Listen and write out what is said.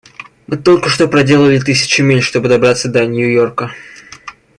Мы только что проделали тысячи миль, чтобы добраться до Нью-Йорка.